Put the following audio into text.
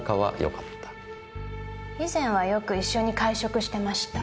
以前はよく一緒に会食してました。